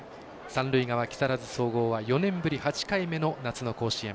三塁側、木更津総合は４年ぶり８回目の夏の甲子園。